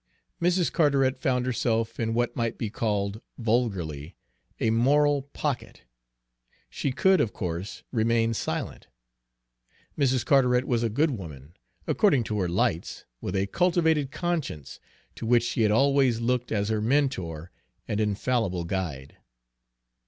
Mrs. Carteret found herself in what might be called, vulgarly, a moral "pocket." She could, of course, remain silent. Mrs. Carteret was a good woman, according to her lights, with a cultivated conscience, to which she had always looked as her mentor and infallible guide.